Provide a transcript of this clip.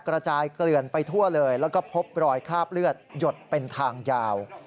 กระจายเกลื่อนไปทั่วเลยแล้วก็พบรอยคราบเลือดหยดเป็นทางยาว